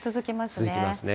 続きますね。